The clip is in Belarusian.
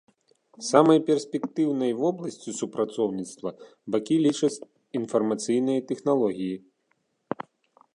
Самай перспектыўнай вобласцю супрацоўніцтва бакі лічаць інфармацыйныя тэхналогіі.